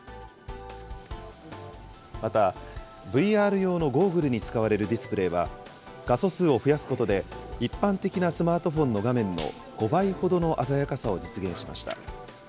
また、ＶＲ用のゴーグルに使われるディスプレーは、画素数を増やすことで、一般的なスマートフォンの画面の５倍ほどの鮮やかさを実現しました。